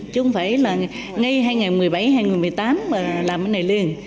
chứ không phải là ngay hai nghìn một mươi bảy hai nghìn một mươi tám mà làm cái này liền